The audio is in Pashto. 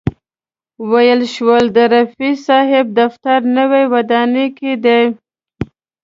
ویل شول د رفیع صاحب دفتر نوې ودانۍ کې دی.